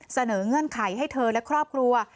เงื่อนไขให้เธอและครอบครัว